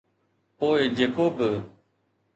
پوءِ جيڪو به.